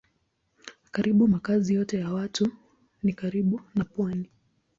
Karibu makazi yote ya watu ni karibu na pwani.